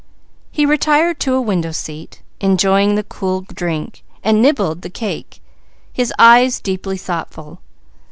He retired to a window seat, enjoyed the cool drink and nibbled the cake, his eyes deeply thoughtful.